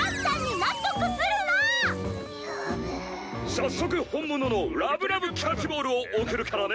早速本物のラブラブキャッチボールを送るからね。